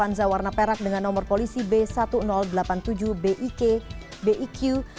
planza warna perak dengan nomor polisi b seribu delapan puluh tujuh bik biq